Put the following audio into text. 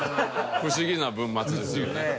不思議な文末ですよね。